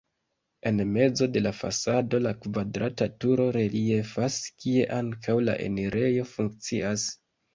En mezo de la fasado la kvadrata turo reliefas, kie ankaŭ la enirejo funkcias.